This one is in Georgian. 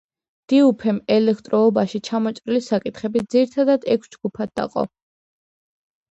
დიუფემ ელექტროობაში წამოჭრილი საკითხები ძირითად ექვს ჯგუფად დაყო.